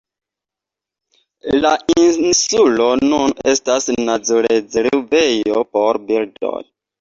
La insulo nun estas naturrezervejo por birdoj.